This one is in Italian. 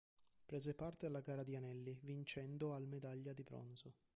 Prese parte alla gara di anelli, vincendo al medaglia di bronzo.